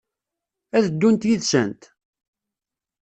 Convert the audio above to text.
Ad ddunt yid-sent?